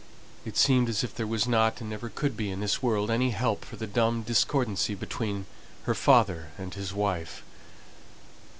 It seemed as if there was not, and never could be in this world, any help for the dumb discordancy between her father and his wife.